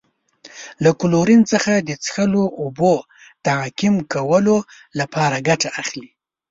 له کلورین څخه د څښلو اوبو تعقیم کولو لپاره ګټه اخلي.